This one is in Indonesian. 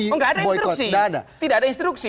enggak ada instruksi tidak ada instruksi